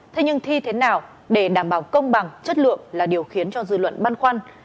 thế nhưng thi thế nào để đảm bảo công bằng chất lượng là điều khiến cho dư luận băn khoăn